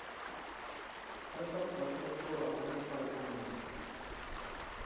Oso prozesu organikoa izan da.